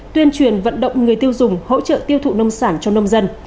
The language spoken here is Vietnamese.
tuyên truyền vận động người tiêu dùng hỗ trợ tiêu thụ nông sản cho nông dân